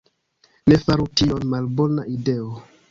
Ne faru tion. Malbona ideo.